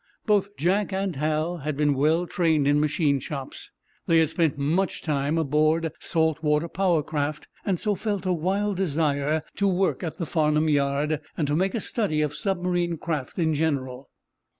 Both Jack and Hal had been well trained in machine shops; they had spent much time aboard salt water power craft, and so felt a wild desire to work at the Farnum yard, and to make a study of submarine craft in general.